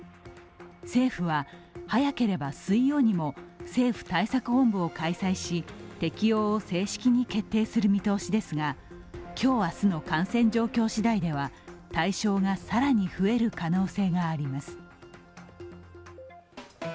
政府は早ければ水曜日にも政府対策本部を開催し、適用を正式に決定する見通しですが、今日、明日の感染状況次第では対象が更に増える可能性があります。